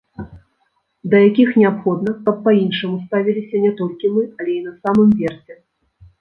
Да якіх неабходна, каб па-іншаму ставіліся не толькі мы, але і на самым версе.